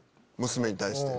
娘に対して。